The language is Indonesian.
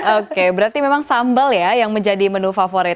oke berarti memang sambal ya yang menjadi menu favorit